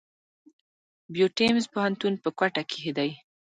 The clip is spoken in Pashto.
بيوټمز پوهنتون په کوټه کښي دی.